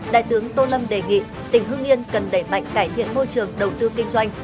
đại tướng tô lâm đề nghị tỉnh hưng yên cần đẩy mạnh cải thiện môi trường đầu tư kinh doanh